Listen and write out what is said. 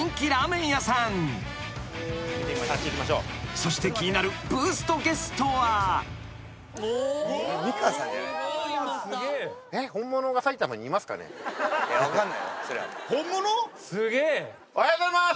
［そして気になるブーストゲストは］おはようございます。